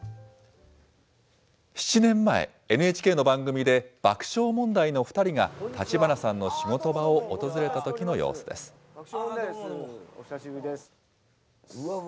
７年前、ＮＨＫの番組で、爆笑問題の２人が立花さんの仕事場を訪れたときの様子です。